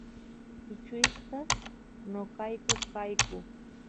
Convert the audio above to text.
kichwistas noqayku kayku